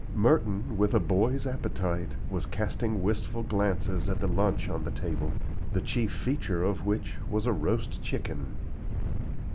Merton, with a boy's appetite, was casting wistful glances at the lunch on the table, the chief feature of which was a roast chicken.